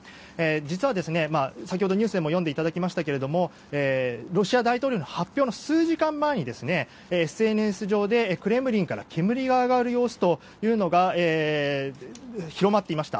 実は、先ほどニュースでも読んでいただきましたがロシア大統領の発表の数時間前にＳＮＳ上でクレムリンから煙が上がる様子が広まっていました。